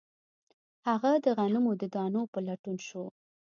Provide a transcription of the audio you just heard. هغه د غنمو د دانو په لټون شو